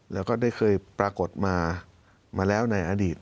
แล้วก็ได้เคยปรากฏมามาแล้วในอดีต